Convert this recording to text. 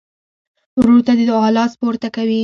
ورور ته د دعا لاس پورته کوي.